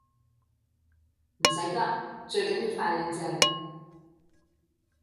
唔使急，最緊要快靚正